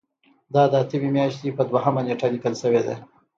دا د اتمې میاشتې په دویمه نیټه لیکل شوې ده.